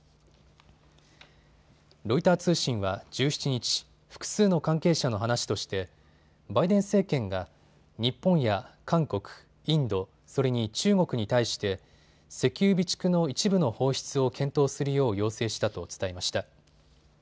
ロイター通信は１７日、複数の関係者の話としてバイデン政権が日本や韓国、インド、それに中国に対して石油備蓄の一部の放出を検討するよう要請したと伝えました。